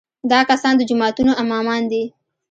دا کسان د جوماتونو امامان دي.